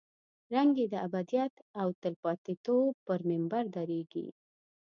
رنګ یې د ابدیت او تلپاتې توب پر منبر درېږي.